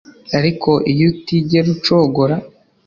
ariko iyo utigera ucogora